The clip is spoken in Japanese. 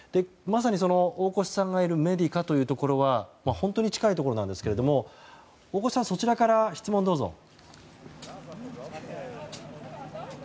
まさに大越さんがいるメディカというところは本当に近いところなんですけど大越さん、そちらから質問どうぞ。